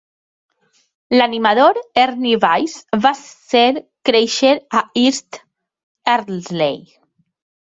L'animador Ernie Wise va ser créixer a East Ardsley.